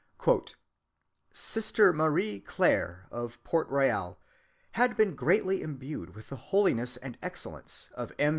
"Sister Marie Claire [of Port Royal] had been greatly imbued with the holiness and excellence of M.